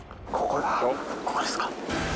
・ここですか？